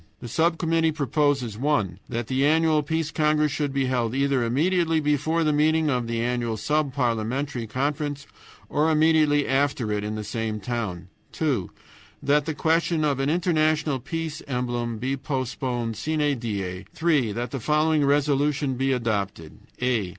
The sub committee proposes, (1) that the annual Peace Congress should be held either immediately before the meeting of the annual Sub parliamentary Conference, or immediately after it in the same town; (2) that the question of an international peace emblem be postponed SINE DIE; (3) that the following resolutions be adopted: "a.